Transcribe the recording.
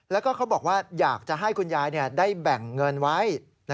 แล้วก็เขาบอกว่าอยากจะให้คุณยายได้แบ่งเงินไว้